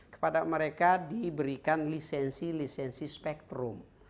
kepada mereka diberikan lisensi lisensi spektrum